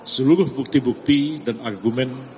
seluruh bukti bukti dan argumen